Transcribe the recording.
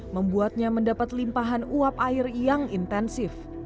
membuatnya mendapat limpahan uap air yang intensif